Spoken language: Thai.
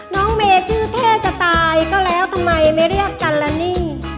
น้องเมย์ชื่อเท่จะตายก็แล้วทำไมไม่เรียกกันละนี่